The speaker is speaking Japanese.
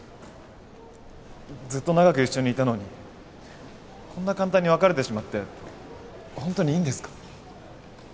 ずっと長く一緒にいたのにこんな簡単に別れてしまってホントにいいんですか？